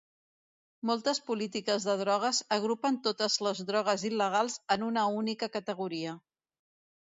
Moltes polítiques de drogues agrupen totes les drogues il·legals en una única categoria.